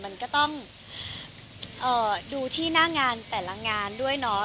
มันก็ต้องดูที่หน้างานแต่ละงานด้วยเนาะ